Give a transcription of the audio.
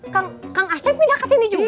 kang kang aceng pindah ke sini juga